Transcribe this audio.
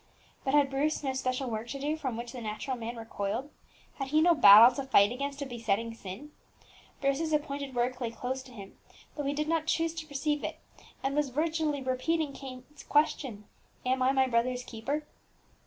But had Bruce no special work to do from which the natural man recoiled? had he no battle to fight against a besetting sin? Bruce's appointed work lay close to him, though he did not choose to perceive it, and was virtually repeating Cain's question, _Am I my brother's keeper?